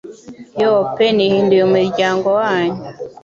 Yoo pe nihinduye umuryango wanyu